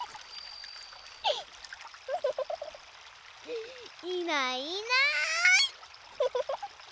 いないいない。